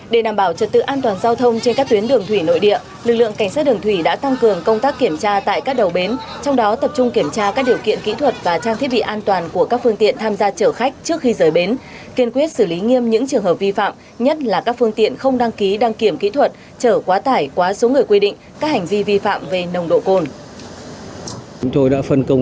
để đảm bảo trật tự an toàn giao thông trên các tuyến đường thủy nội địa lực lượng cảnh sát đường thủy đã tăng cường công tác kiểm tra tại các đầu bến trong đó tập trung kiểm tra các điều kiện kỹ thuật và trang thiết bị an toàn của các phương tiện tham gia chở khách trước khi rời bến kiên quyết xử lý nghiêm những trường hợp vi phạm nhất là các phương tiện không đăng ký đăng kiểm kỹ thuật chở quá tải quá số người quy định các hành vi vi phạm về nồng độ cồn